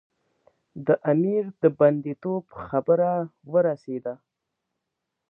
د امیر د بندي توب خبره ورسېده.